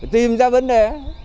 tìm ra vấn đề